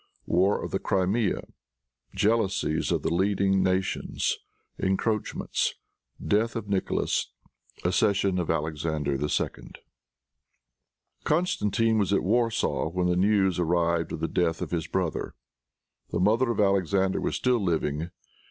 War of the Crimea. Jealousies of the Leading Nations. Encroachments. Death of Nicholas. Accession of Alexander II. Constantine was at Warsaw when the news arrived of the death of his brother. The mother of Alexander was still living.